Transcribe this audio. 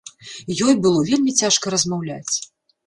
Ёй было вельмі цяжка размаўляць.